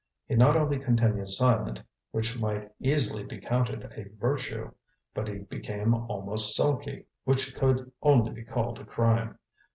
He not only continued silent, which might easily be counted a virtue, but he became almost sulky, which could only be called a crime.